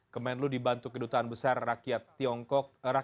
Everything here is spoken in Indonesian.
kemenlu dibantu kedutaan besar rakyat tiongkok